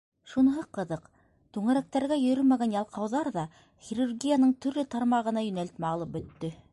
Шуныһы ҡыҙыҡ: түңәрәктәргә йөрөмәгән ялҡауҙар ҙа хирургияның төрлө тармағына йүнәлтмә алып бөттө.